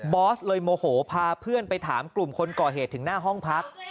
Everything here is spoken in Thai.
อสเลยโมโหพาเพื่อนไปถามกลุ่มคนก่อเหตุถึงหน้าห้องพัก